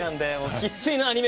生っ粋のアニメ